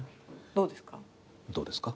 どうですか？